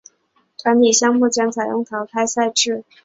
团体项目将采用淘汰赛制。